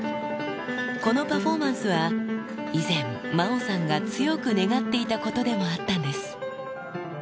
このパフォーマンスは以前、麻央さんが強く願っていたことでもあったんです。